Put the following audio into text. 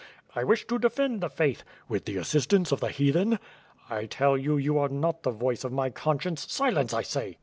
'*I wish to defend the faith.'' "With the assistance of the Heathen!" "I tell you you are not the voice of my conscience, silence I say."